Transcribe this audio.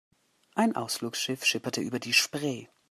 Ein Ausflugsschiff schipperte über die Spree.